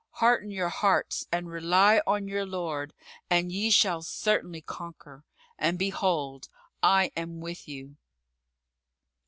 Hearten your hearts and rely on your Lord, and ye shall certainly conquer; and behold, I am with you!"